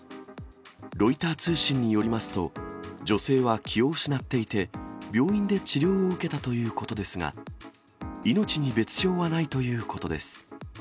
ロイター通信によりますと、女性は気を失っていて、病院で治療を受けたということですが、命に別状はないということです。